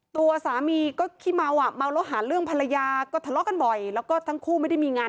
ก็ไม่รู้เค้าทะเลาะกันเรื่องอะไรนะ